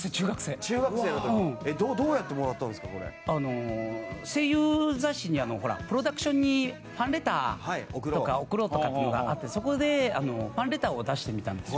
あの声優雑誌にほらプロダクションにファンレターとか送ろうとかっていうのがあってそこでファンレターを出してみたんですよ。